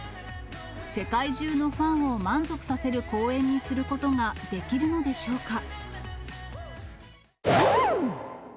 世界中のファンを満足させる公演にすることができるのでしょうか。